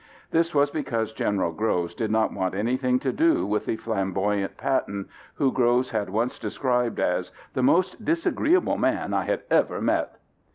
This was because General Groves did not want anything to do with the flamboyant Patton, who Groves had once described as "the most disagreeable man I had ever met."